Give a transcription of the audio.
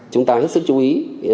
chúng ta hất sức chú ý